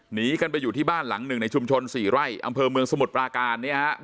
หนีกันไปอยู่ที่บ้านหลังหนึ่งในชุมชน๔ไร่อำเภอเมืองสมุทรปราการเนี่ยฮะ